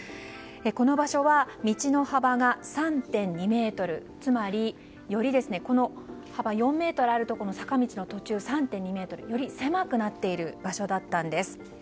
この場所は道の幅が３．２ｍつまりより幅４ｍあるところの坂の途中３．２ｍと、より狭くなっている場所だったんです。